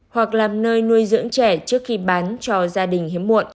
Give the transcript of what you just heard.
hoặc làm nơi nuôi dưỡng trẻ trước khi bán cho gia đình hiếm muộn